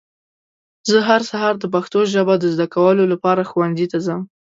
زه هر سهار د پښتو ژبه د ذده کولو لپاره ښونځي ته ځم.